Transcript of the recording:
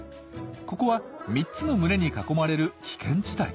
ここは３つの群れに囲まれる危険地帯。